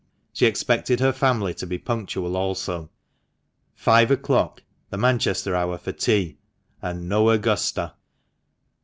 She expected her family to be punctual also. Five o'clock, the Manchester hour for tea, and no Augusta!